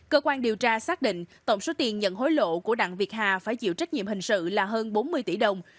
cơ quan điều tra xác định tổng số tiền nhận hối lộ của đặng việt hà phải chịu trách nhiệm hình sự là hơn bốn mươi tỷ đồng